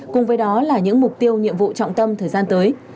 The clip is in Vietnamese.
cùng với đó là những mục tiêu nhiệm vụ trọng tâm thời gian tới